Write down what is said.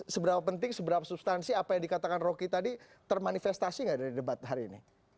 seberapa penting seberapa substansi apa yang dikatakan rocky tadi termanifestasi nggak dari debat hari ini